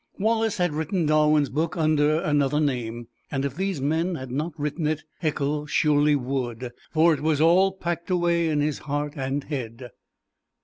Wallace had written Darwin's book under another name, and if these men had not written it, Haeckel surely would, for it was all packed away in his heart and head.